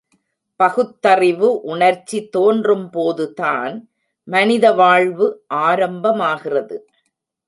பகுத்தறிவு உணர்ச்சி தோன்றும்போதுதான் மனித வாழ்வு ஆரம்பமாகிறது.